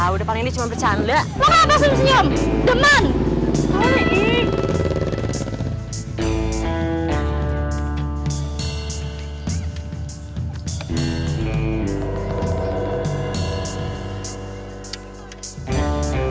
udah paling dia cuma bercanda